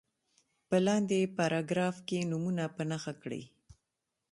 په لاندې پاراګراف کې نومونه په نښه کړي.